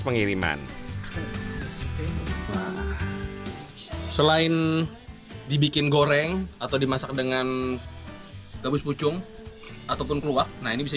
pengiriman selain dibikin goreng atau dimasak dengan gabus pucung ataupun keluar nah ini bisa